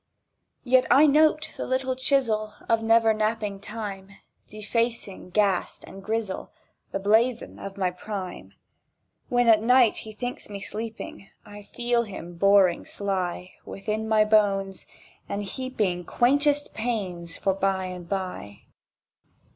Yet I note the little chisel Of never napping Time, Defacing ghast and grizzel The blazon of my prime. When at night he thinks me sleeping, I feel him boring sly Within my bones, and heaping Quaintest pains for by and by.